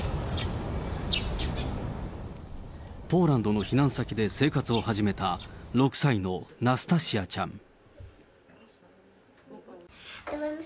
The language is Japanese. ポーランドの避難先で生活を始めた、６歳のナスタシアちゃん。